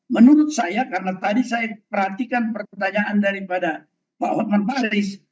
menurut saya karena tadi saya perhatikan pertanyaan daripada pak lukman faris